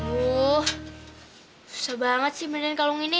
susah banget sih mendingan kalung ini